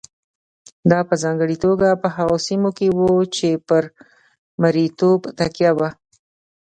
دا په ځانګړې توګه په هغو سیمو کې وه چې پر مریتوب تکیه وه.